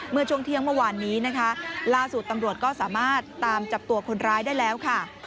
เมื่อช่วงเที่ยงเมื่อวานนี้นะคะล่าสุดตำรวจก็สามารถตามจับตัวคนร้ายได้แล้วค่ะ